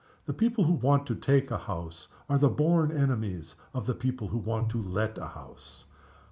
"The people who want to take a house are the born enemies of the people who want to let a house.